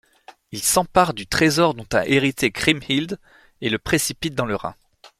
Il s’empare du trésor dont a hérité Kriemhild et le précipite dans le Rhin.